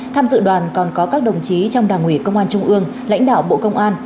tham dự đoàn còn có các đồng chí trong đảng ủy công an trung ương lãnh đạo bộ công an